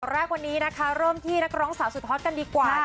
วันนี้เริ่มที่นักร้องสาวสุดฮอทกันดีกว่า